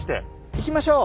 行きましょう！